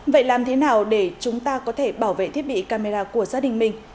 vậy làm thế nào để chúng ta có thể bảo vệ thiết bị camera của gia đình mình